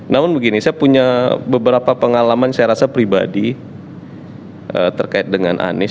namun begini saya punya beberapa pengalaman saya rasa pribadi terkait dengan anies